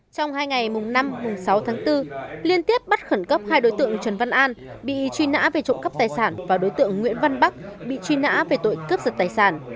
trong hai ngày mùng năm mùng sáu tháng bốn liên tiếp bắt khẩn cấp hai đối tượng trần văn an bị truy nã về trộm cắp tài sản và đối tượng nguyễn văn bắc bị truy nã về tội cướp giật tài sản